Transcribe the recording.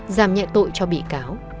giảm nhẹ tội cho bị cáo